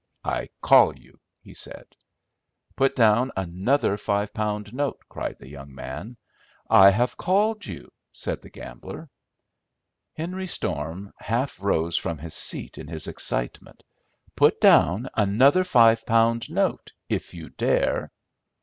"I call you," he said. "Put down another five pound note," cried the young man. "I have called you," said the gambler. Henry Storm half rose from his seat in his excitement. "Put down another five pound note, if you dare."